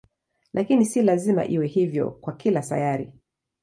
Lakini si lazima iwe hivyo kwa kila sayari.